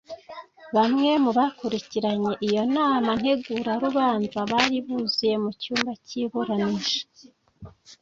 Bamwe mu bakurikiranye iyo nama ntegurarubanza bari buzuye mu cyumba cy’iburanisha